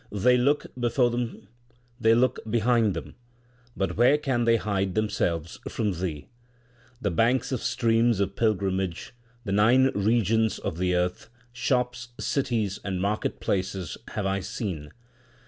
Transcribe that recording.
They look before them, they look behind them, but where can they hide themselves from Thee ? The banks of streams of pilgrimage, the nine regions * of the earth, shops, cities, and market places have I seen.